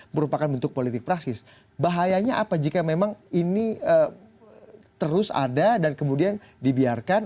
merupakan bentuk politik praksis bahayanya apa jika memang ini terus ada dan kemudian dibiarkan